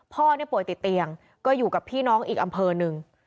พ่อเนี่ยป่วยติดเตียงก็อยู่กับพี่น้องอีกอำเภอหนึ่ง